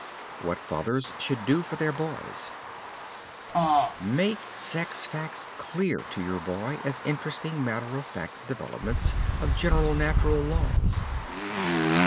WHAT FATHERS SHOULD DO FOR THEIR BOYS Make sex facts clear to your boy as interesting, matter of fact developments of general natural laws.